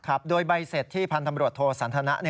ครับโดยใบเสธที่พันธมรวชโทสันธนะ